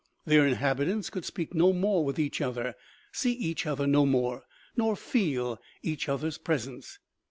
Their inhabitants could speak no more with eath other, see each other no more, nor feel each other's presence.